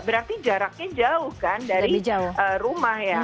berarti jaraknya jauh kan dari rumah ya